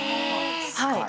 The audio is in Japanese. はい。